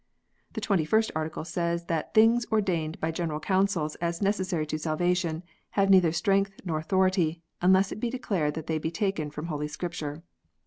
^ The Twenty first Article says that "things ordained by General Councils as necessary to salvation, have neither strength nor authority, unless it be declared that they be taken from Holy Scripture."